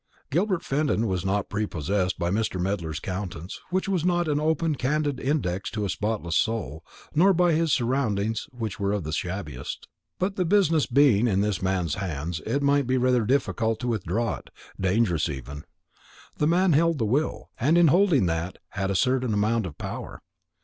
Gilbert Fenton was not prepossessed by Mr. Medler's countenance, which was not an open candid index to a spotless soul, nor by his surroundings, which were of the shabbiest; but the business being in this man's hands, it might be rather difficult to withdraw it dangerous even. The man held the will, and in holding that had a certain amount of power.